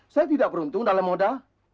saya tidak beruntung dalam modal